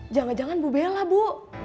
jangan jangan bu bella bu